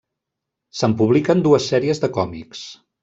Se'n publiquen dues sèries de còmics.